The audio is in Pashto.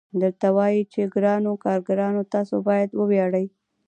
هغه وايي چې ګرانو کارګرانو تاسو باید وویاړئ